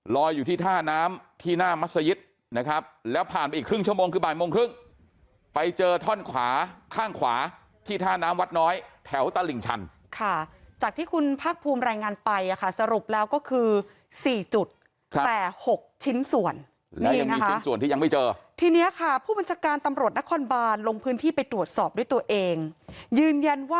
รอยอยู่ที่ท่าน้ำที่หน้ามัศยิษย์นะครับแล้วผ่านไปอีกครึ่งชั่วโมงคือ